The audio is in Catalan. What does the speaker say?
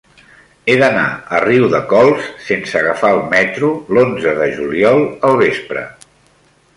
He d'anar a Riudecols sense agafar el metro l'onze de juliol al vespre.